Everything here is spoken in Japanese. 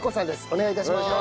お願い致します。